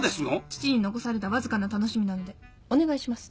父に残されたわずかな楽しみなのでお願いします。